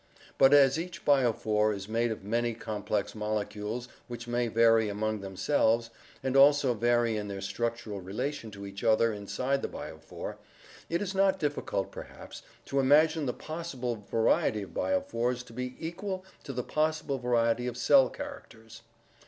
But as each biophor is made of many complex molecules which may vary among themselves, and also vary in their structural relation to each other inside the biophor, it is not difficult, perhaps, to imagine the possible variety of biophors to be equal to the possible variety of cell characters.